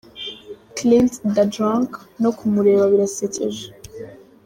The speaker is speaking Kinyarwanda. Klint Da Drunk no kumureba birasekeje….